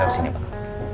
lihat sini pak